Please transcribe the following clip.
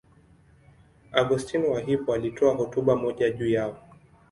Augustino wa Hippo alitoa hotuba moja juu yao.